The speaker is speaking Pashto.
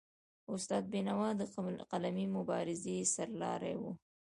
استاد بینوا د قلمي مبارزې سرلاری و.